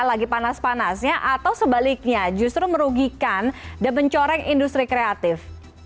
lagi panas panasnya atau sebaliknya justru merugikan dan mencoreng industri kreatif